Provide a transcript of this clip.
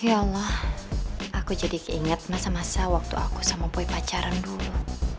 ya allah aku jadi keinget masa masa waktu aku sama kue pacaran dulu